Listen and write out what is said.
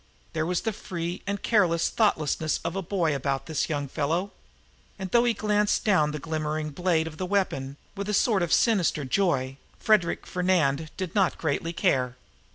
There was the free and careless thoughtlessness of a boy about this young fellow. And, though he glanced down the glimmering blade of the weapon, with a sort of sinister joy, Frederic Fernand did not greatly care.